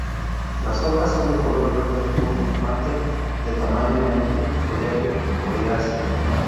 Las hojas son de color verde oscuro mate de tamaño medio, follaje coriáceo.